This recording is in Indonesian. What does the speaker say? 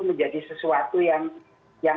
menjadi sesuatu yang